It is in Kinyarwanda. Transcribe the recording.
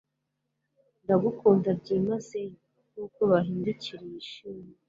ndagukunda byimazeyo, nkuko bahindukiriye ishimwe